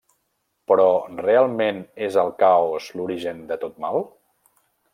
Però, realment és el Caos l'origen de tot mal?